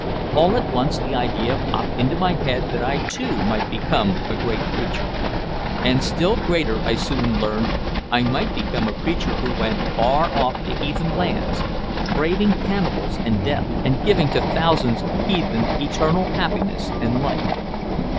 All at once the idea popped into my head that I too might become a great preacher. And still greater, I soon learned, I might become a preacher who went far off to heathen lands, braving cannibals and death and giving to thousands of heathen eternal happiness and life.